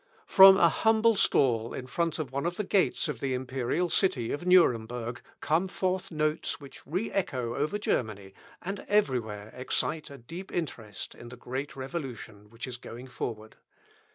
From a humble stall in front of one of the gates of the imperial city of Nuremberg, come forth notes which re echo over Germany, and everywhere excite a deep interest in the great revolution which is going forward.